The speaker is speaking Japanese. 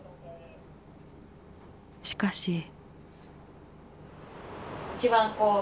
しかし。